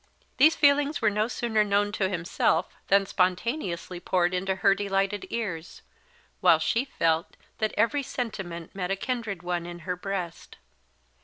These feelings were no sooner known to himself than spontaneously poured into her delighted ears; while she felt that every sentiment met a kindred one in her breast.